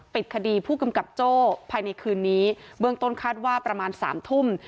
ปิดคดีผู้กำกับโจ้ภายในคืนนี้เบื้องต้นคาดว่าประมาณสามทุ่ม